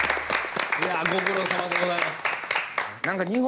ご苦労さまでございます。